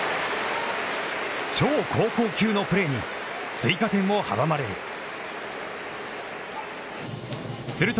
超高校級のプレーに追加点を阻まれる。